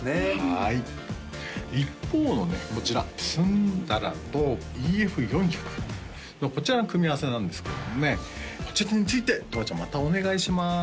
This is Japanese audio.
はい一方のねこちらＳＵＮＤＡＲＡとＥＦ４００のこちらの組み合わせなんですけれどもねこちらについてとわちゃんまたお願いします